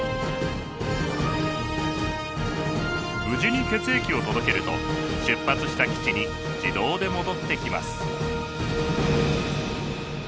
無事に血液を届けると出発した基地に自動で戻ってきます。